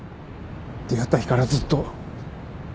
出会った日からずっと。